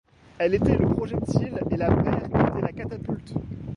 Elle était le projectile et la mer était la catapulte.